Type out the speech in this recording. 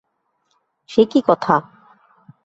সে কী কথা?